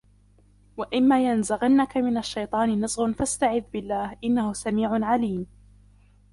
وإما ينزغنك من الشيطان نزغ فاستعذ بالله إنه سميع عليم